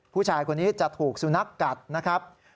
ผู้ชายคนนี้จะถูกสุนัขกัดนะครับ